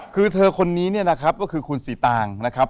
คือเธอคนนี้เนี่ยนะครับก็คือคุณสีตางนะครับ